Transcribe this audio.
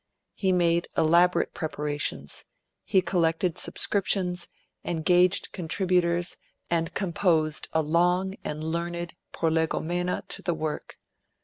He made elaborate preparations; he collected subscriptions, engaged contributors, and composed a long and learned prolegomena to the work.